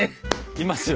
いますよ